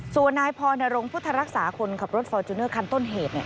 สวนายน์พอร์นรงค์ผู้ทารักษาคนขับรถฟอร์จูเนอร์คันต้นเหตุ